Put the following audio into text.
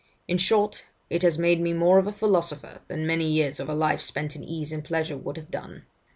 In short, it has made me more of a philosopher, than many years of a life spent in ease and pleasure would have done.